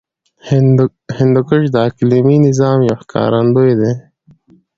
هندوکش د اقلیمي نظام یو ښکارندوی دی.